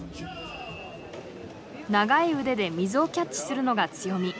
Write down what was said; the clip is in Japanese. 長い腕で水をキャッチするのが強み。